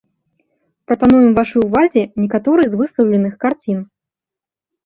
Прапануем вашай увазе некаторыя з выстаўленых карцін.